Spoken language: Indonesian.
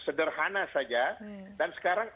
sederhana saja dan sekarang